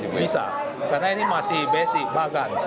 bisa karena ini masih basic bagan